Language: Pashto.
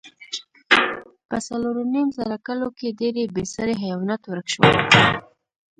په څلورو نیم زره کلو کې ډېری بېساري حیوانات ورک شول.